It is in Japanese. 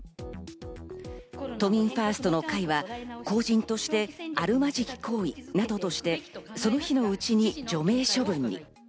都民ファーストの会は公人としてあるまじき行為などとして、その日のうちに除名処分に。